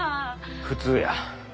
普通や。